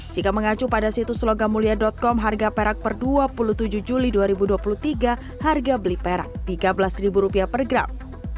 jika mengacu pada situs logamulia com harga perak per dua puluh tujuh juli dua ribu dua puluh tiga harga beli perak rp tiga belas per gram